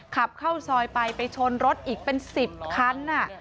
ขับเข้าซอยไปไปชนรถอีกเป็น๑๐คัน